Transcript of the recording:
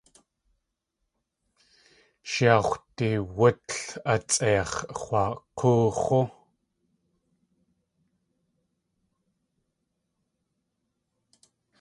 Sh yáa x̲wdiwútl astʼeix̲ x̲wak̲oox̲ú.